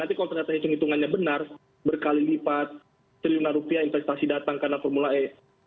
nanti kalau ternyata hitung hitungannya benar berkali lipat triliunan rupiah investasi datang karena formula e